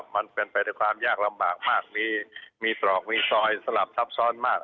มันเป็นไปด้วยความยากลำบากมากมีตรอกมีซอยสลับซับซ้อนมาก